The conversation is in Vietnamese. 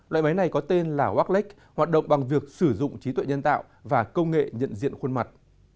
loại máy này có tên là warklake hoạt động bằng việc sử dụng trí tuệ nhân tạo và công nghệ nhận diện khuôn mặt